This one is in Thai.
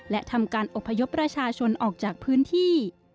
และทำการอบพยพประชาชนออกจากพื้นที่